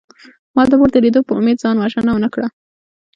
ما د مور د لیدو په امید ځان وژنه ونکړه